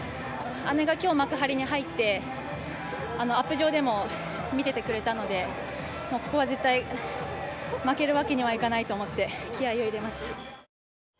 姉がきょう幕張に入って、アップ場でも見ててくれたので、ここは絶対、負けるわけにはいかないと思って、気合いを入れました。